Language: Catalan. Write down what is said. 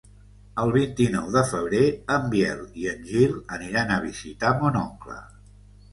El vint-i-nou de febrer en Biel i en Gil aniran a visitar mon oncle.